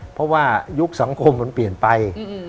เพราะว่ายุคสังคมมันเปลี่ยนไป